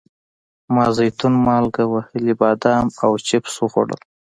ما زیتون، مالګه وهلي بادام او چپس وخوړل.